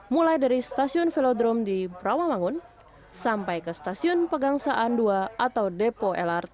mulai dari stasiun velodrom di brawamangun sampai ke stasiun pegangsaan dukuhu